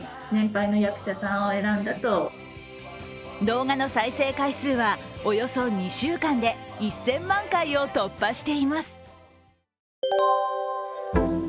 動画の再生回数はおよそ２週間で１０００万回を突破しています。